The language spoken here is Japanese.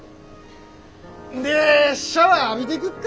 んでシャワー浴びてくっか。